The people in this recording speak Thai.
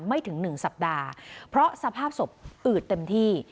ไม่ถึงหนึ่งสัปดาห์เพราะสภาพศพอืดเต็มที่